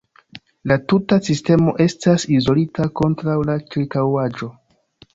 La tuta sistemo estas izolita kontraŭ la ĉirkaŭaĵo.